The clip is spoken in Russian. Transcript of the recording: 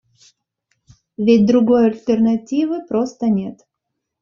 Ведь другой альтернативы просто нет.